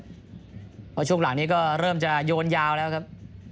เพราะช่วงหลังนี้ก็เริ่มจะโยนยาวแล้วครับ